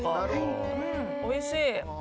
おいしい。